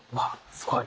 すごい！